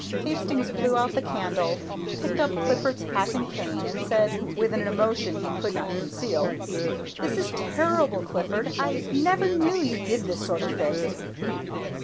Hastings blew out the candle, picked up Clifford's hat and cane, and said, with an emotion he could not conceal, "This is terrible, Clifford, I never knew you did this sort of thing."